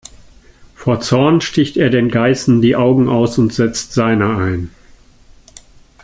Vor Zorn sticht er den Geißen die Augen aus und setzt seine ein.